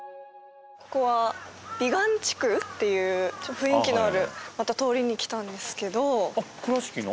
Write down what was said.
ここは美観地区っていう雰囲気のあるまた通りに来たんですけど倉敷の？